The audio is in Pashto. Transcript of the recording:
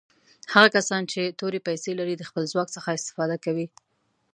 هغه کسان چې تورې پیسي لري د خپل ځواک څخه استفاده کوي.